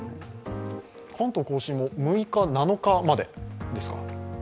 関東甲信も６日、７日までですか？